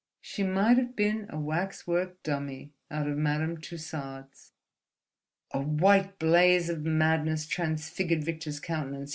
She might have been a waxwork dummy out of Madame Tussaud's. A white blaze of madness transfigured Victor's countenance.